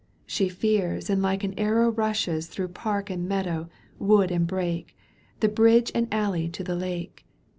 She fears and Kke an arrow rushes Through park and meadow, wood and brake. The bridge and alley to the lake.